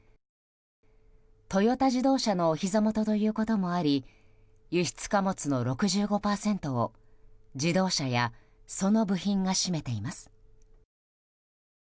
トヨタ自動車のおひざ元ということもあり輸出貨物の６５％を、自動車やその部品が占めています。